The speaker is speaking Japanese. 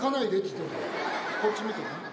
こっち見てね。